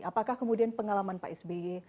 apakah kemudian pengalaman pak sby